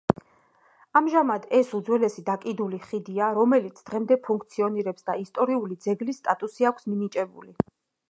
ამჟამად ეს უძველესი დაკიდული ხიდია, რომელიც დღემდე ფუნქციონირებს და ისტორიული ძეგლის სტატუსი აქვს მინიჭებული.